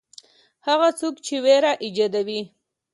هغه څوک چې وېره ایجادوي.